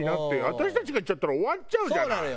私たちが行っちゃったら終わっちゃうじゃない。